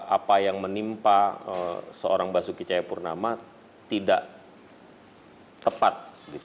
apa yang menimpa seorang basuki cahayapurnama tidak tepat